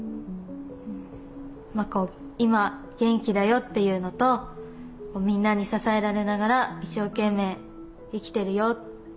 まあ「今元気だよ」っていうのと「みんなに支えられながら一生懸命生きてるよ」。